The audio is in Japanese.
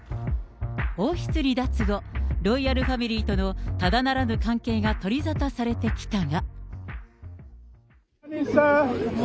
王室離脱後、ロイヤルファミリーとのただならぬ関係が取り沙汰されてきたが。